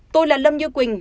tôi là lâm như quỳnh